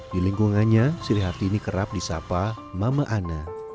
di lingkungannya sirihati ini kerap disapa mama ana